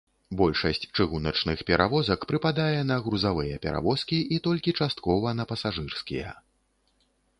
Большасць чыгуначных перавозак прыпадае на грузавыя перавозкі, і толькі часткова на пасажырскія.